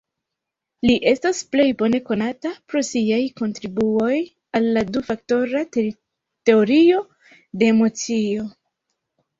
Li estas plej bone konata pro siaj kontribuoj al la du-faktora teorio de emocio.